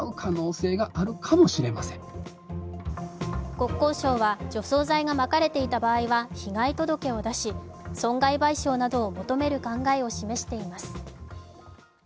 国交省は、除草剤がまかれていた場合は被害届を出し、損害賠償などを求める考えを示しています。